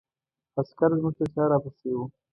عسکر زموږ تر شا را پسې وو.